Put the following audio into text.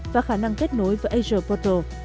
và khả năng kết nối với azure portal